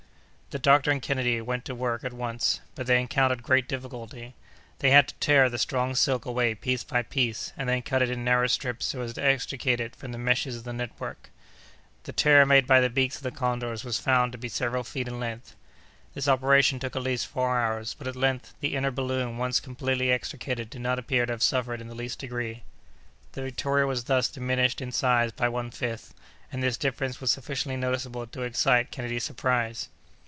The doctor and Kennedy went to work at once, but they encountered great difficulty. They had to tear the strong silk away piece by piece, and then cut it in narrow strips so as to extricate it from the meshes of the network. The tear made by the beaks of the condors was found to be several feet in length. This operation took at least four hours, but at length the inner balloon once completely extricated did not appear to have suffered in the least degree. The Victoria was thus diminished in size by one fifth, and this difference was sufficiently noticeable to excite Kennedy's surprise.